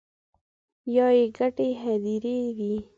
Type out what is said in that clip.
یا يې ګډې هديرې وي